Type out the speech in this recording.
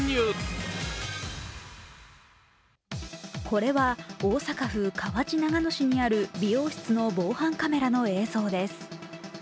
これは大阪府河内長野市にある美容室の防犯カメラの映像です。